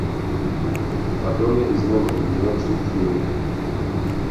Bardonia is north of the New York State Thruway.